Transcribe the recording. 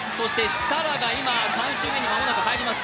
設楽が３周目に間もなく入ります。